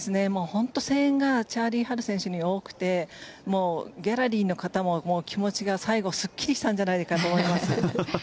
本当に声援がチャーリー・ハル選手に多くてギャラリーの方も気持ちが最後、すっきりしたんじゃないかと思います。